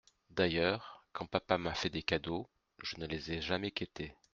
D'ailleurs, quand papa m'a fait des cadeaux, je ne les ai jamais quêtés.